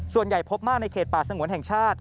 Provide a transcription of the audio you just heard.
ส่วนใหญ่พบมากในเขตป่าสงวนแห่งชาติ